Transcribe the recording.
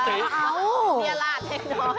เกลียราชให้น้อย